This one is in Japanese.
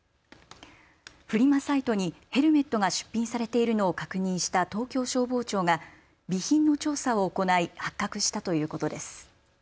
フリマサイトにヘルメットが出品されているのを確認した東京消防庁が備品の調査を行い発覚したということです。